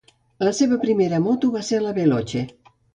La seva primera moto va ser la "Veloce".